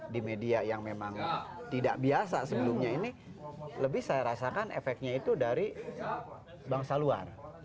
di media yang memang tidak biasa sebelumnya ini lebih saya rasakan efeknya itu dari bangsa luar